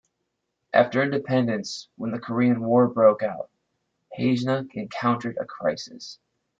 After independence, when the Korean War broke out, Haeinsa encountered a crisis.